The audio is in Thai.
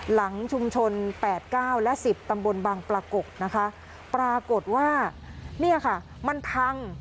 หลังชุมชนแปดเก้าและสิบตำบลบังปรากกกนะคะปรากฏว่าเนี่ยค่ะมันพัง